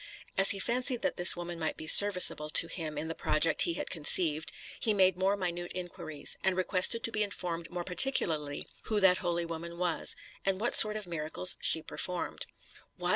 As he fancied that this woman might be serviceable to him in the project he had conceived, he made more minute inquiries, and requested to be informed more particularly who that holy woman was, and what sort of miracles she performed. "What!"